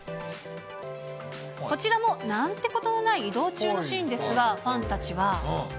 こちらもなんてことのない移動中のシーンですが、ファンたちは。